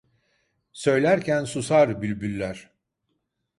Söylerken susar bülbüller.